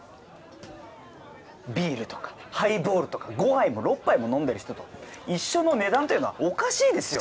ビールとかハイボールとか５杯も６杯も飲んでる人と一緒の値段というのはおかしいですよ！